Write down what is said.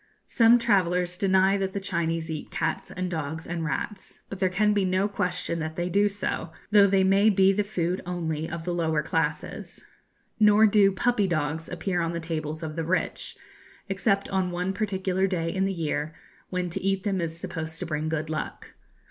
Some travellers deny that the Chinese eat cats and dogs and rats, but there can be no question that they do so, though they may be the food only of the lower classes. Nor do 'puppy dogs' appear on the tables of the rich, except on one particular day in the year, when to eat them is supposed to bring good luck.